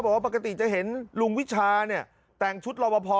บอกว่าปกติจะเห็นลุงวิชาเนี่ยแต่งชุดรอบพอ